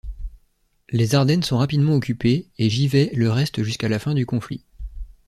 Les Ardennes sont rapidement occupées et Givet le reste jusque la fin du conflit.